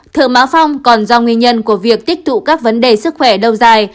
thượng mã phong còn do nguyên nhân của việc tích tụ các vấn đề sức khỏe đau dài